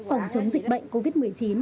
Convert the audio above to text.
phòng chống dịch bệnh covid một mươi chín